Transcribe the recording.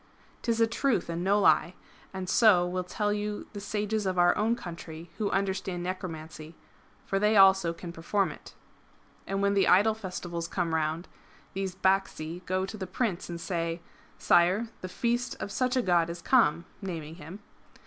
'Tis a truth and no lie ! and so will tell you the sages of our own country who understand necromancy, for they also can perform it." And when the Idol Festivals come round, these Bacsi go to the Prince and say :" Sire, the Feast of such a god is come " (naming him).